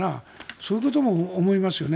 そういうことも思いますよね。